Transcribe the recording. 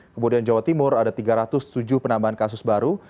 kemudian jawa timur ada tiga ratus tujuh penambahan kasus baru